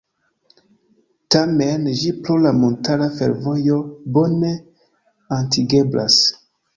Tamen ĝi pro la montara fervojo bone atingeblas.